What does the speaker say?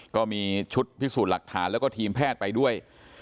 ก็มีชุดพิสูจน์หลักฐานแล้วก็ทีมแพทย์ไปด้วย